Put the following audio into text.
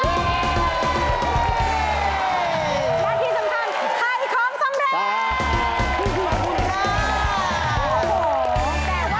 ขอบคุณครับ